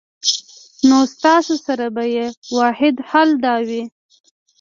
نو ستاسو سره به ئې واحد حل دا وي